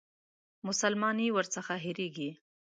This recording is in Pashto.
مسلماني ورڅخه هېرېږي.